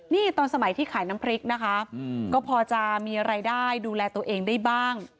นี่ตอนสมัยที่ขายน้ำพริกนะคะก็พอจะมีรายได้ดูแลตัวเองได้บ้าง